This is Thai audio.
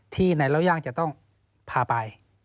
ที่นายเล่าย่างจะต้องพาไป